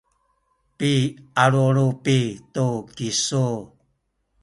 pialulupi tu kisu